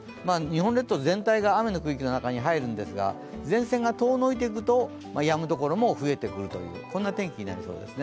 日本列島全体が雨の区域の中に入るのですが、前線が遠のいていくとやむ所も増えてくる、こんな天気になりそうです。